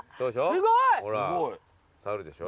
すごい。ほら猿でしょ。